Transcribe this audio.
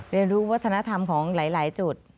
เรียนรู้วัฒนธรรมของหลายจุด